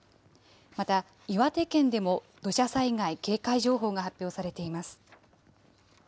また、岩手県でも土砂災害警戒情報が発表されています。